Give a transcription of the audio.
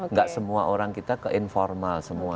nggak semua orang kita ke informal semua